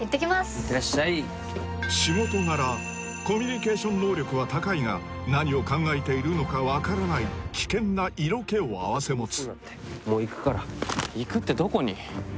行ってらっしゃい仕事柄コミュニケーション能力は高いが何を考えているのか分からない危険な色気を併せ持つ